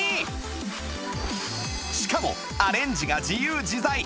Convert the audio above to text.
しかもアレンジが自由自在